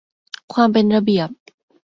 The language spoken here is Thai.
ความเป็นระเบียบ